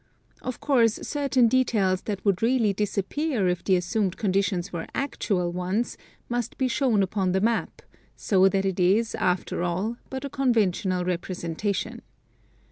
Of course certain details that would really disapjDear if the assumed conditions were actual ones, must be shown upon the map, — so that it is, after all, but a conventional representation.